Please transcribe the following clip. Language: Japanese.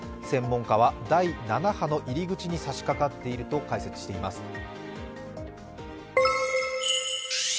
専門家は第７波の入り口に差しかかっていると解説しています。